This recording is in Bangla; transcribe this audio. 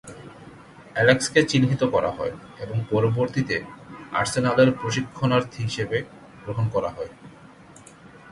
অ্যালেক্সকে চিহ্নিত করা হয় এবং পরবর্তীতে আর্সেনালের প্রশিক্ষণার্থী হিসেবে গ্রহণ করা হয়।